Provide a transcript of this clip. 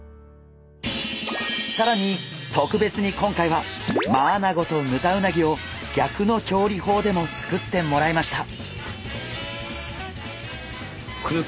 さらに特別に今回はマアナゴとヌタウナギを逆の調理法でも作ってもらいました。